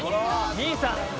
兄さん！